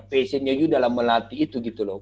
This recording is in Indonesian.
passion nya itu dalam melatih itu gitu loh